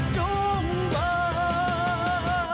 สิ่งที่หลายแล้วก็มาก